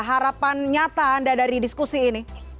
harapan nyata anda dari diskusi ini